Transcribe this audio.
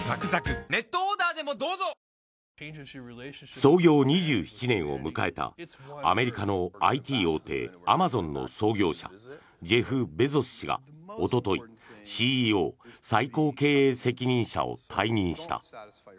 創業２７年を迎えたアメリカのＩＴ大手アマゾンの創業者ジェフ・ベゾス氏がおとといＣＥＯ・最高経営責任者を退任した。